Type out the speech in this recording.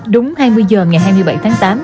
đúng hai mươi h ngày hai mươi bảy tháng tám